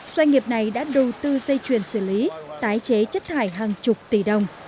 doanh nghiệp này đã đầu tư dây chuyền xử lý tái chế chất thải hàng chục tỷ đồng